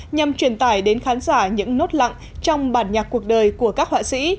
nhằm truyền tải đến khán giả những nốt lặng trong bản nhạc cuộc đời của các họa sĩ